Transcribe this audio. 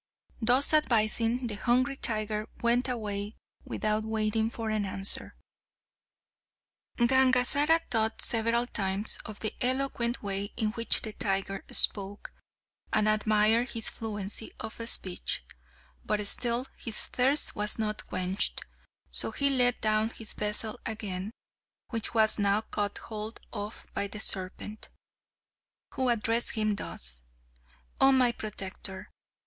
Thus advising, the hungry tiger went away without waiting for an answer. Gangazara thought several times of the eloquent way in which the tiger spoke, and admired his fluency of speech. But still his thirst was not quenched. So he let down his vessel again, which was now caught hold of by the serpent, who addressed him thus: "Oh, my protector!